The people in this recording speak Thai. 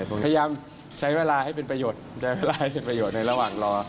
พยายามใช้เวลาให้เป็นประโยชน์ใช้เวลาให้เป็นประโยชน์ในระหว่างรอ